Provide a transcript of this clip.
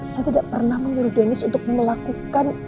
saya tidak pernah mengurus dennis untuk melakukan